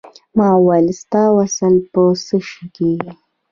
ما وویل ستا وصل په څه شی کېږي.